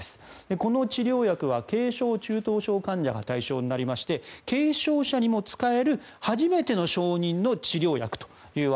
この治療薬は軽症・中等症患者が対象になりまして軽症者にも使える初めての承認の治療薬と。